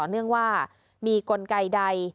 เนื่องว่ามีกลไกใด